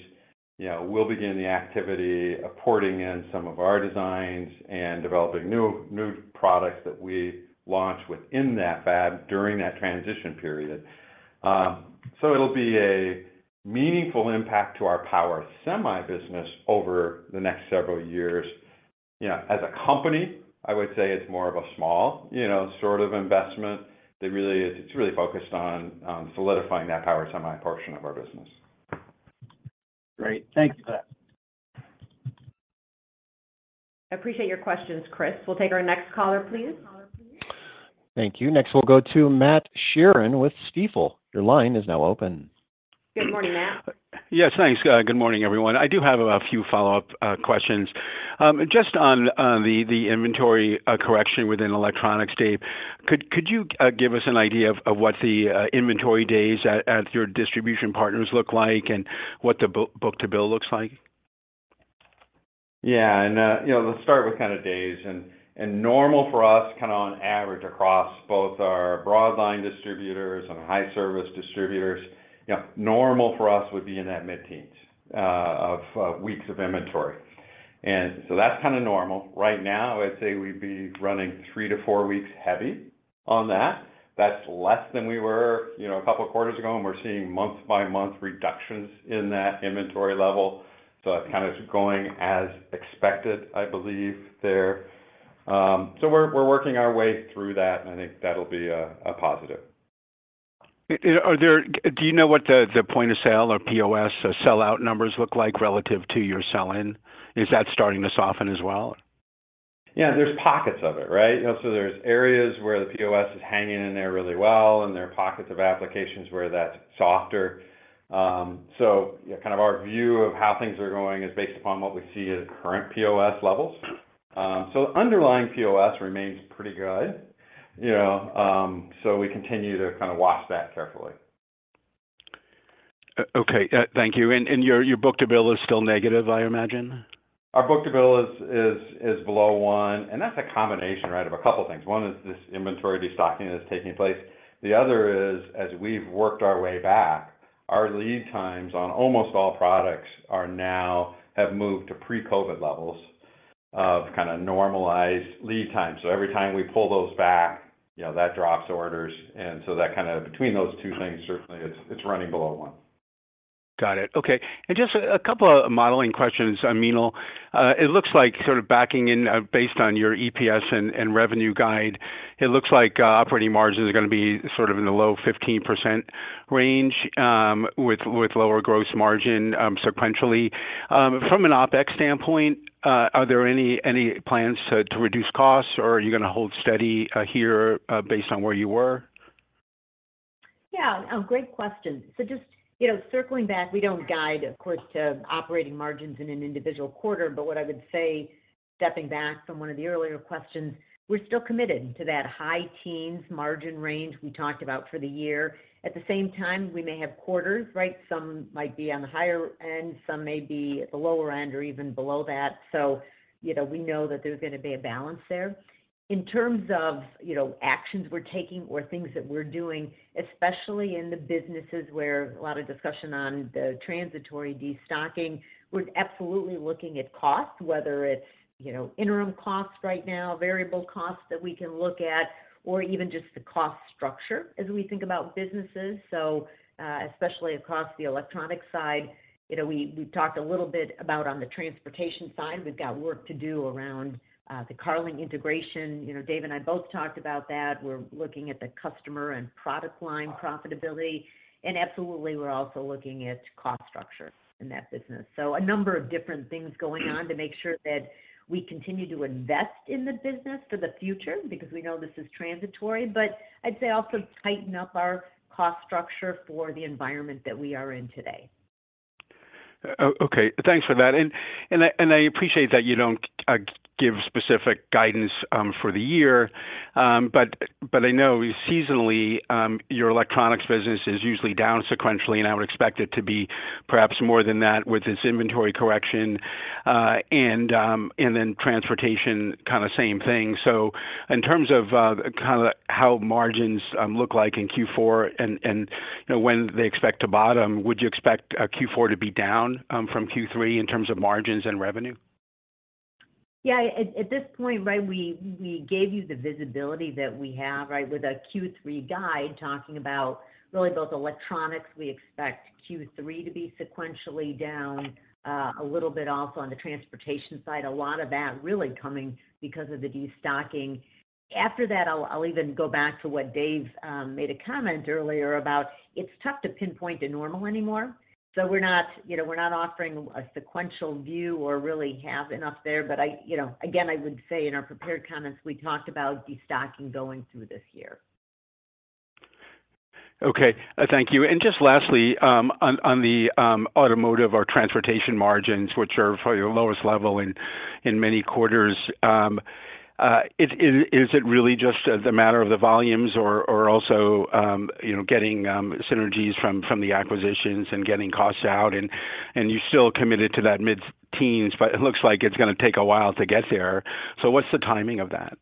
you know, we'll begin the activity of porting in some of our designs and developing new, new products that we launch within that fab during that transition period. It'll be a meaningful impact to our Power semi business over the next several years. You know, as a company, I would say it's more of a small, you know, sort of investment. It really is, it's really focused on, solidifying that power semi portion of our business. Great. Thank you for that. I appreciate your questions, Chris. We'll take our next caller, please. Thank you. Next, we'll go to Matt Sheerin with Stifel. Your line is now open. Good morning, Matt. Yes, thanks. Good morning, everyone. I do have a few follow-up questions. Just on, on the, the inventory correction within Electronics, Dave, could, could you give us an idea of, of what the inventory days at, at your distribution partners look like and what the book, book to bill looks like? Yeah. You know, let's start with kind of days. Normal for us, kind of on average across both our broad line distributors and high service distributors, yeah, normal for us would be in that mid-teens of weeks of inventory. That's kinda normal. Right now, I'd say we'd be running three to four weeks heavy on that. That's less than we were, you know, a couple of quarters ago, and we're seeing month-by-month reductions in that inventory level. It's kind of going as expected, I believe, there. We're, we're working our way through that, and I think that'll be a, a positive. Do you know what the, the point of sale or POS, the sellout numbers look like relative to your sell-in? Is that starting to soften as well? Yeah, there's pockets of it, right? You know, there's areas where the POS is hanging in there really well, and there are pockets of applications where that's softer. Yeah, kind of our view of how things are going is based upon what we see as current POS levels. Underlying POS remains pretty good, you know, we continue to kind of watch that carefully. Okay, thank you. And your, your book to bill is still negative, I imagine? Our book to bill is, is, is below 1, and that's a combination, right, of a couple things. One is this inventory destocking that's taking place. The other is, as we've worked our way back, our lead times on almost all products are now have moved to pre-COVID levels of kinda normalized lead time. Every time we pull those back, you know, that drops orders, and so that. Between those two things, certainly, it's, it's running below 1. Got it. Okay. Just a, a couple of modeling questions on Meenal. It looks like sort of backing in, based on your EPS and revenue guide, it looks like, operating margins are gonna be sort of in the low 15% range, with lower gross margin, sequentially. From an OpEx standpoint, are there any plans to reduce costs, or are you gonna hold steady here, based on where you were? Yeah, a great question. Just, you know, circling back, we don't guide, of course, to operating margins in an individual quarter, but what I would say, stepping back from one of the earlier questions, we're still committed to that high teens margin range we talked about for the year. At the same time, we may have quarters, right? Some might be on the higher end, some may be at the lower end or even below that. You know, we know that there's gonna be a balance there. In terms of, you know, actions we're taking or things that we're doing, especially in the businesses where a lot of discussion on the transitory destocking, we're absolutely looking at cost, whether it's, you know, interim costs right now, variable costs that we can look at, or even just the cost structure as we think about businesses. Especially across the electronic side, you know, we, we talked a little bit about on the Transportation side, we've got work to do around the Carling integration. You know, Dave and I both talked about that. We're looking at the customer and product line profitability, and absolutely, we're also looking at cost structure in that business. A number of different things going on to make sure that we continue to invest in the business for the future because we know this is transitory, but I'd say also tighten up our cost structure for the environment that we are in today. Okay, thanks for that. I appreciate that you don't give specific guidance for the year. I know seasonally, your Electronics business is usually down sequentially, and I would expect it to be perhaps more than that with this inventory correction, and then Transportation, kinda same thing. In terms of, kinda how margins look like in Q4 and, and, you know, when they expect to bottom, would you expect Q4 to be down from Q3 in terms of margins and revenue? Yeah, at, at this point, right, we, we gave you the visibility that we have, right? With a Q3 guide talking about really both Electronics, we expect Q3 to be sequentially down, a little bit also on the Transportation side, a lot of that really coming because of the destocking. After that, I'll, I'll even go back to what Dave made a comment earlier about it's tough to pinpoint a normal anymore, so we're not, you know, we're not offering a sequential view or really have enough there. I, you know, again, I would say in our prepared comments, we talked about destocking going through this year. Okay, thank you. Just lastly, on, on the automotive or Transportation margins, which are probably your lowest level in many quarters, is it really just the matter of the volumes or also, you know, getting synergies from the acquisitions and getting costs out? You're still committed to that mid-teens, but it looks like it's gonna take a while to get there. What's the timing of that?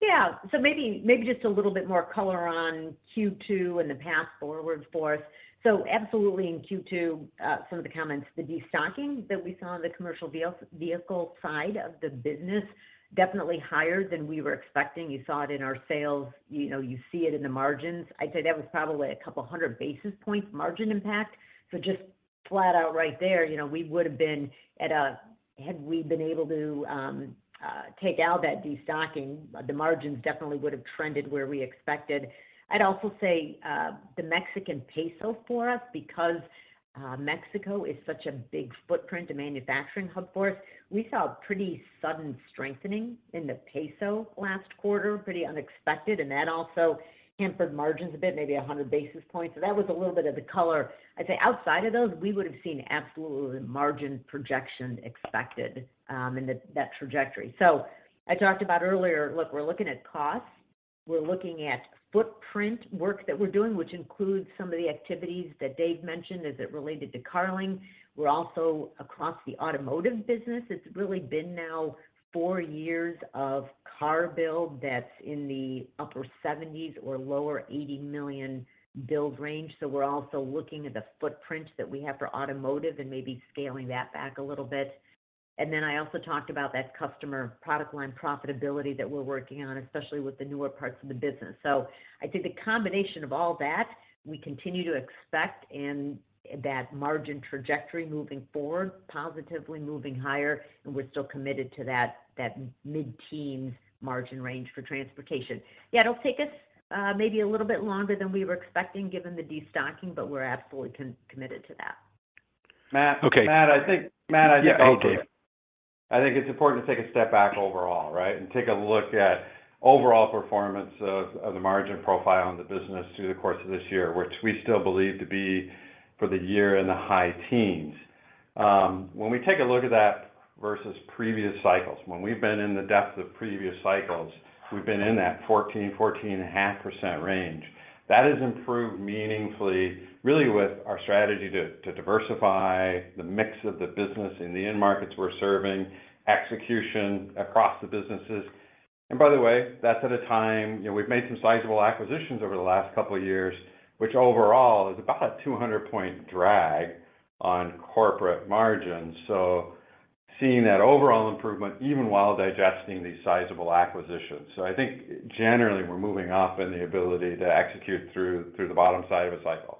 Yeah. Maybe, maybe just a little bit more color on Q2 and the path forward for us. Absolutely, in Q2, some of the comments, the destocking that we saw on the commercial vehicle side of the business, definitely higher than we were expecting. You saw it in our sales, you know, you see it in the margins. I'd say that was probably 200 basis points margin impact. Just flat out right there, you know, we would've been at a, had we been able to take out that destocking, the margins definitely would have trended where we expected. I'd also say, the Mexican peso for us, because, Mexico is such a big footprint, a manufacturing hub for us. We saw a pretty sudden strengthening in the peso last quarter, pretty unexpected, and that also hampered margins a bit, maybe 100 basis points. That was a little bit of the color. I'd say outside of those, we would have seen absolutely margin projection expected in that, that trajectory. I talked about earlier, look, we're looking at costs. We're looking at footprint work that we're doing, which includes some of the activities that Dave mentioned as it related to Carling. We're also across the automotive business. It's really been now four years of car build that's in the upper 70s or lower 80 million build range. We're also looking at the footprint that we have for automotive and maybe scaling that back a little bit. Then I also talked about that customer product line profitability that we're working on, especially with the newer parts of the business. I think the combination of all that, we continue to expect in that margin trajectory moving forward, positively moving higher, and we're still committed to that, that mid-teens margin range for Transportation. It'll take us maybe a little bit longer than we were expecting, given the destocking, but we're absolutely committed to that. Matt- Okay. Matt, I think. Yeah, go ahead. I think it's important to take a step back overall, right? Take a look at overall performance of, of the margin profile in the business through the course of this year, which we still believe to be for the year in the high teens. When we take a look at that vs previous cycles, when we've been in the depth of previous cycles, we've been in that 14%-14.5% range. That has improved meaningfully, really with our strategy to, to diversify the mix of the business in the end markets we're serving, execution across the businesses. By the way, that's at a time, you know, we've made some sizable acquisitions over the last couple of years, which overall is about a 200 point drag on corporate margins. Seeing that overall improvement, even while digesting these sizable acquisitions. I think generally, we're moving up in the ability to execute through, through the bottom side of a cycle.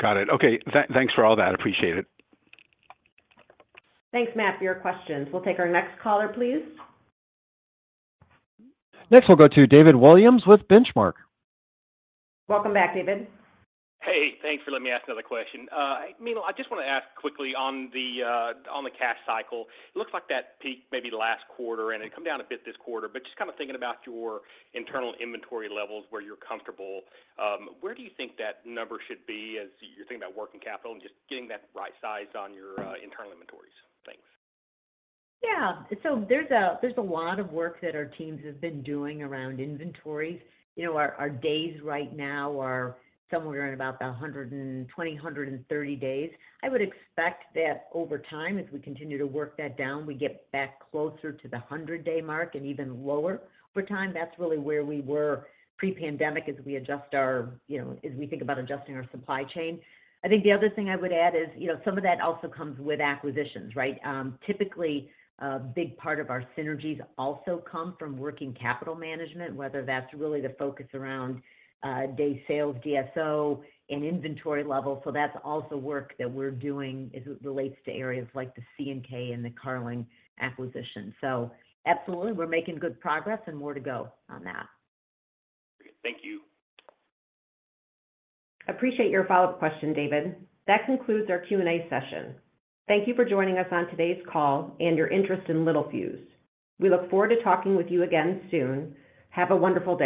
Got it. Okay, thanks for all that. Appreciate it. Thanks, Matt, for your questions. We'll take our next caller, please. Next, we'll go to David Williams with Benchmark. Welcome back, David. Hey, thanks for letting me ask another question. I mean, I just wanna ask quickly on the cash cycle. It looks like that peak maybe last quarter, and it come down a bit this quarter, but just kinda thinking about your internal inventory levels where you're comfortable, where do you think that number should be as you're thinking about working capital and just getting that right size on your internal inventories? Thanks. Yeah. There's a lot of work that our teams have been doing around inventories. You know, our days right now are somewhere in about the 120, 130 days. I would expect that over time, as we continue to work that down, we get back closer to the 100-day mark and even lower over time. That's really where we were pre-pandemic as we adjust our, you know, as we think about adjusting our supply chain. I think the other thing I would add is, you know, some of that also comes with acquisitions, right? Typically, a big part of our synergies also come from working capital management, whether that's really the focus around day sales, DSO, and inventory level. That's also work that we're doing as it relates to areas like the C&K and the Carling acquisition. Absolutely, we're making good progress and more to go on that. Thank you. Appreciate your follow-up question, David. That concludes our Q&A session. Thank you for joining us on today's call and your interest in Littelfuse. We look forward to talking with you again soon. Have a wonderful day.